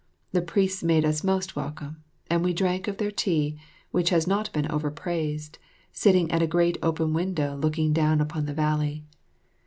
The priests made us most welcome, and we drank of their tea, which has not been overpraised, sitting at a great open window looking down upon the valley.